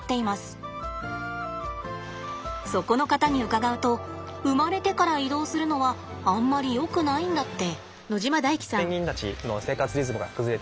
そこの方に伺うと生まれてから移動するのはあんまりよくないんだって。